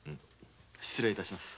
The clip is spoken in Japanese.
失礼いたします。